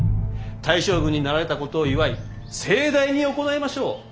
大将軍になられたことを祝い盛大に行いましょう。